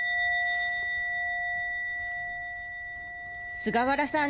菅原さん